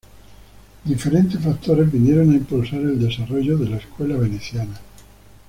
Diferentes factores vinieron a impulsar el desarrollo de la Escuela Veneciana.